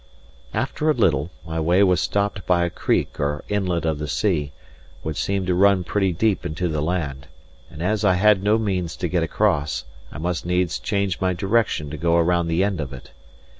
After a little, my way was stopped by a creek or inlet of the sea, which seemed to run pretty deep into the land; and as I had no means to get across, I must needs change my direction to go about the end of it.